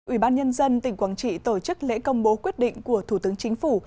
ủy ban nhân dân tỉnh quảng trị tổ chức lễ công bố quyết định của thủ tướng chính phủ